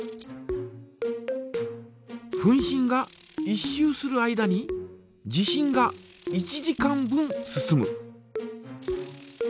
分針が１周する間に時針が１時間分進む。